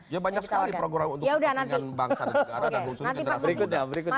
ya banyak sekali program untuk kepentingan bangsa dan negara dan khususnya generasi berikutnya